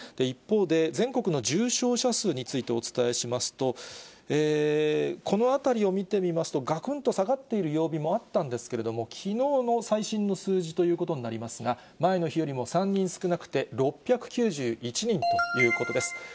一方で、全国の重症者数についてお伝えしますと、このあたりを見てみますと、がくんと下がっている曜日もあったんですけれども、きのうの最新の数字ということになりますが、前の日よりも３人少なくて６９１人ということです。